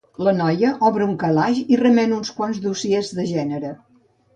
La noia obre un calaix i remena uns quants dossiers de gènere.